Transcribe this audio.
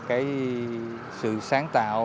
cái sự sáng tạo